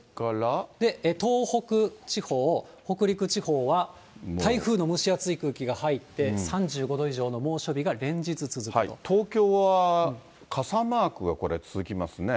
東北地方、北陸地方は台風の蒸し暑い空気が入って、東京は傘マークがこれ、続きますね。